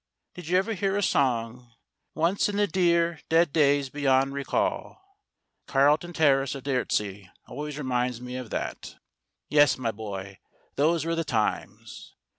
Did you ever hear a song "Once, in the dear, dead days beyond recall"? Carl ton Terrace at Dyrtisea always reminds me of that. Yes; my boy, those were the times.